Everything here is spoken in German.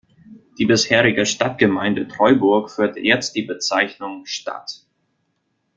Die bisherige Stadtgemeinde Treuburg führte jetzt die Bezeichnung "Stadt".